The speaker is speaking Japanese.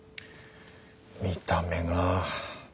見た目が。